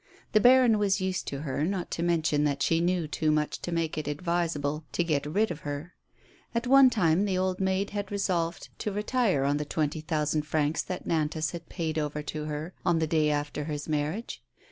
The baron was used to her, not to mention that she knew too much to make it advisable to get rid of her. At one time the old maid had resolved to retire on 6 98 TREACHERY, the twenty thousand francs that Nantas had paid over to her on the day after his marriage.